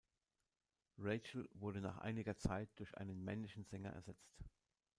Rachel wurde nach einer Zeit durch einen männlichen Sänger ersetzt.